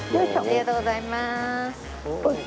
ありがとうございます。